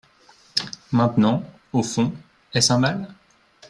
Maintenant, au fond, est-ce un mal ?